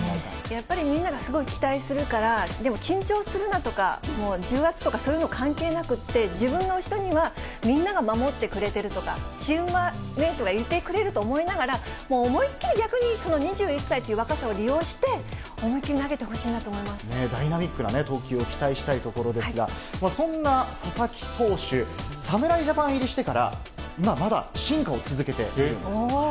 やっぱり、みんながすごい期待するから、でも、緊張するなとか、もう重圧とか、そういうの関係なくって、自分の後ろにはみんなが守ってくれてるとか、チームメートがいてくれると思いながら、もう思いっ切り、逆に、その２１歳っていう若さを利用して、思いっ切り投げてほしいなとダイナミックなね、投球を期待したいところですが、そんな佐々木投手、侍ジャパン入りしてから、まだ進化を続けているんです。